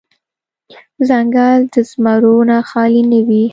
ـ ځنګل د زمرو نه خالې نه وي.